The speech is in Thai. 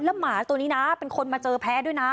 แล้วหมาตัวนี้นะเป็นคนมาเจอแพ้ด้วยนะ